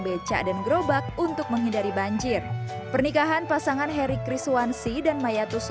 becak dan gerobak untuk menghindari banjir pernikahan pasangan heri kriswansi dan mayatus